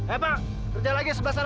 eh pak kerja lagi sebelah sana